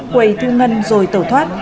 quầy thu ngân rồi tẩu thoát